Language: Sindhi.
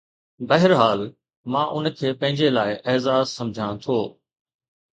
بهرحال، مان ان کي پنهنجي لاءِ اعزاز سمجهان ٿو